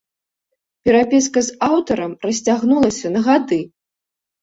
Перапіска з аўтапаркам расцягнулася на гады.